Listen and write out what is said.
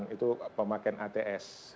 itu pemakaian ats